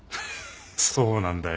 そうなんだよ。